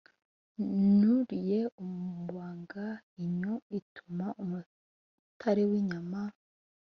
Nuriye umubanga inyo ituma-Umutare w'inyama.